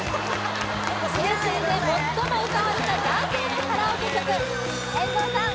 最も歌われた男性のカラオケ曲遠藤さん